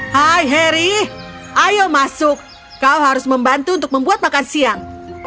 hai harry ayo masuk kau harus membantu untuk membuat makan siang